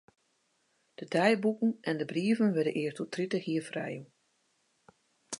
De deiboeken en de brieven wurde earst oer tritich jier frijjûn.